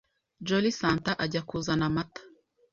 Jolly Santa ajya kuzana amata